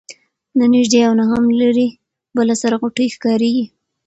نه نیژدې او نه هم لیري بله سره غوټۍ ښکاریږي